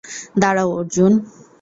দাড়াও, অর্জুন!